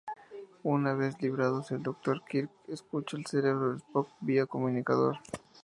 Una vez liberados del dolor, Kirk escucha al cerebro de Spock vía el comunicador.